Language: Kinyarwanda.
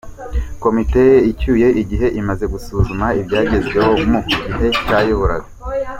Komite icyuye igihe imaze gususuzuma ibyagezweho mu gihe yayoboraga